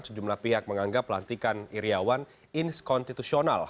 sejumlah pihak menganggap pelantikan iryawan inskonstitusional